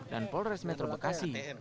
dan polres metro bekasi